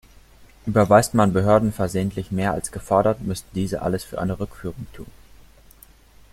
Überweist man Behörden versehentlich mehr als gefordert, müssen diese alles für eine Rückführung tun.